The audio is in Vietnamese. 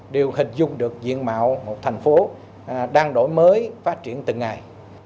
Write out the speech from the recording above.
đều hình dung được diện mạo một thành phố đang đổi mới phát triển từng ngày